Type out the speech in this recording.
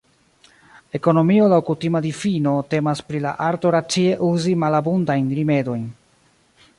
Ekonomio laŭ kutima difino temas pri la arto racie uzi malabundajn rimedojn.